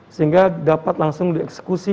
sehingga dapat langsung dieksekusi